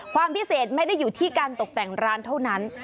ความพิเศษไม่ได้อยู่ที่การตกแต่งร้านเท่านั้น